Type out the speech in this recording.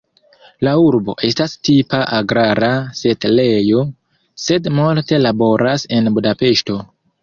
La urbo estas tipa agrara setlejo, sed multe laboras en Budapeŝto.